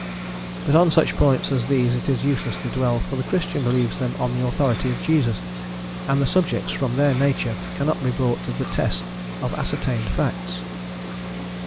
But on such points as these it is useless to dwell, for the Christian believes them on the authority of Jesus, and the subjects, from their nature, cannot be brought to the test of ascertained facts.